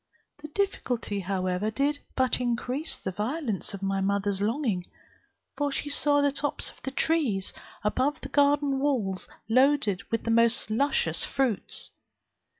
The difficulty, however, did but increase the violence of my mother's longing; for she saw the tops of the trees above the garden walls loaded with the most luscious fruits.